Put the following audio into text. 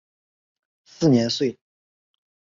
四年卒。